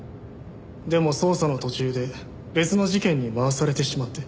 でも捜査の途中で別の事件に回されてしまって。